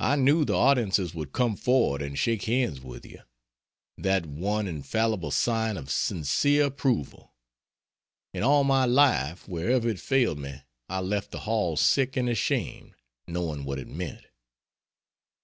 I knew the audiences would come forward and shake hands with you that one infallible sign of sincere approval. In all my life, wherever it failed me I left the hall sick and ashamed, knowing what it meant.